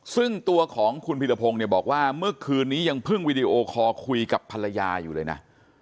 ซึ่งตัวของคุณพิรพงศ์เนี่ยบอกว่าเมื่อคืนนี้ยังเพิ่งวีดีโอคอลคุยกับภรรยาอยู่เลยนะ